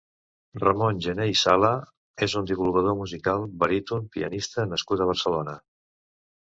Ramon Gener i Sala és un divulgador musical, baríton, pianista nascut a Barcelona.